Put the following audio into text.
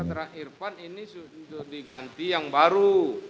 karena irfan ini sudah diganti yang baru